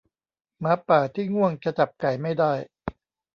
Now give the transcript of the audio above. หมาป่าที่ง่วงจะจับไก่ไม่ได้